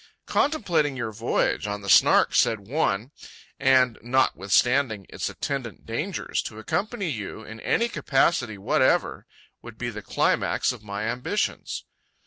"Contemplating your voyage on the Snark," said one, "and notwithstanding its attendant dangers, to accompany you (in any capacity whatever) would be the climax of my ambitions."